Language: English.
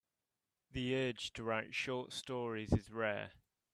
The urge to write short stories is rare.